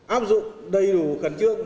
áp dụng đầy đủ khẩn trương